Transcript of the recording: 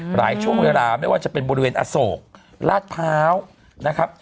ช่วงเวลาไม่ว่าจะเป็นบริเวณอโศกลาดพร้าวนะครับ